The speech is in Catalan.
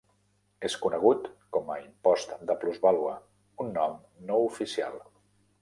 És conegut com a impost de plusvàlua, un nom no oficial.